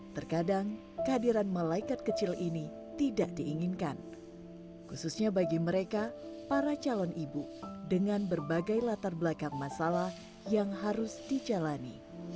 terbelakang masalah yang harus dijalani